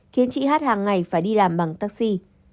khiến chị hát hàng ngày phải đi làm bằng taxi